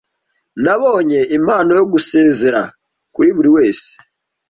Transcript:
Nabonye impano yo gusezera kuri buri wese.